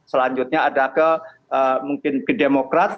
selanjutnya ada ke mungkin ke demokrat